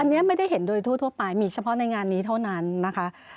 อันนี้ไม่ได้เห็นโดยทั่วไปมีเฉพาะในงานนี้เท่านั้นนะคะ